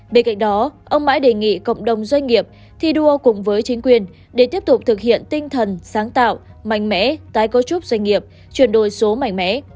bên cạnh đó ông mãi đề nghị cộng đồng doanh nghiệp thi đua cùng với chính quyền để tiếp tục thực hiện tinh thần sáng tạo mạnh mẽ tái cấu trúc doanh nghiệp chuyển đổi số mạnh mẽ